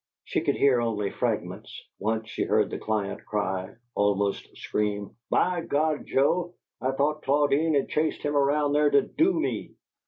She could hear only fragments. Once she heard the client cry, almost scream: "By God! Joe, I thought Claudine had chased him around there to DO me!"